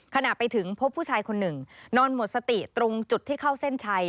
ขณะไปถึงพบผู้ชายคนหนึ่งนอนหมดสติตรงจุดที่เข้าเส้นชัย